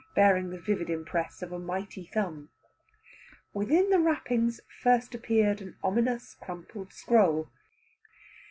bearing the vivid impress of a mighty thumb. Within the wrappings first appeared an ominous crumpled scroll.